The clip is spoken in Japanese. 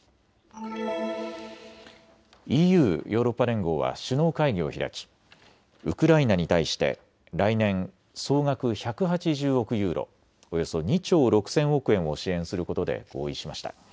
ＥＵ・ヨーロッパ連合は首脳会議を開きウクライナに対して来年、総額１８０億ユーロ、およそ２兆６０００億円を支援することで合意しました。